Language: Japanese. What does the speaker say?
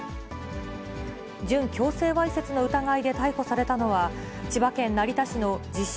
準強制わいせつの疑いで逮捕されたのは、千葉県成田市の自称